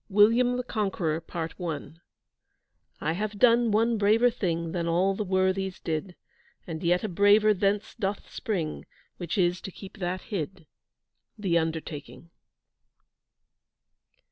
WILLIAM THE CONQUEROR PART I I have done one braver thing Than all the worthies did; And yet a braver thence doth spring, Which is to keep that hid. THE UNDERTAKING.